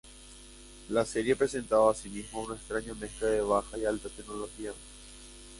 La serie presentaba asimismo una extraña mezcla de baja y alta tecnología.